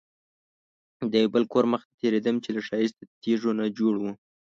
د یو بل کور مخې ته تېرېدم چې له ښایسته تیږو نه جوړ و.